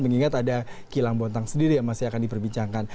mengingat ada kilang bontang sendiri yang masih akan diperbincangkan